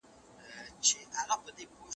آيا پخوانۍ دموکراسي له اوسنۍ سره توپیر لري؟